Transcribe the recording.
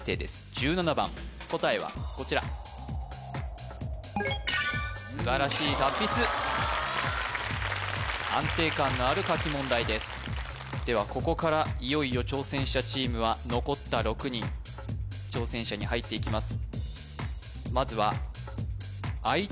１７番答えはこちら素晴らしい達筆安定感のある書き問題ですではここからいよいよ挑戦者チームは残った６人挑戦者に入っていきます